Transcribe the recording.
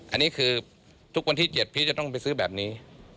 อันนี้คือทุกวันที่๗พี่จะต้องไปซื้อแบบนี้